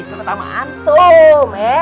terutama antum ya